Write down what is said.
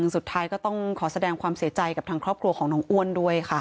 สุดท้ายก็ต้องขอแสดงความเสียใจกับทางครอบครัวของน้องอ้วนด้วยค่ะ